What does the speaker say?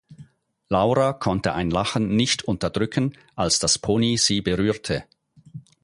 Laura konnte ein Lachen nicht unterdrücken, als das Pony sie berührte.